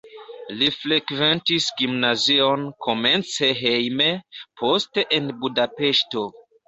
Li frekventis gimnazion komence hejme, poste en Budapeŝto.